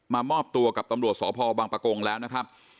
มอบตัวกับตำรวจสพบังปะกงแล้วนะครับ